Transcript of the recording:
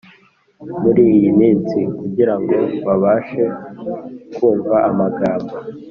muri iyi minsi; kugirango babashe kumva amagambo